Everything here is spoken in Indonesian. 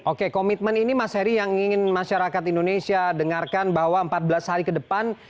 oke komitmen ini mas heri yang ingin masyarakat indonesia dengarkan bahwa empat belas hari ke depan